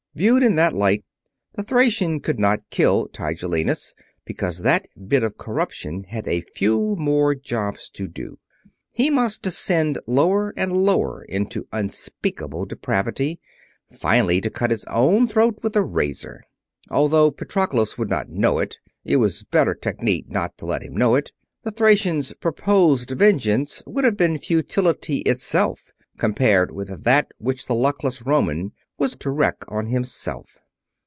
Viewed in that light, the Thracian could not kill Tigellinus, because that bit of corruption had a few more jobs to do. He must descend lower and lower into unspeakable depravity, finally to cut his own throat with a razor. Although Patroclus would not know it it was better technique not to let him know it the Thracian's proposed vengeance would have been futility itself compared with that which the luckless Roman was to wreak on himself.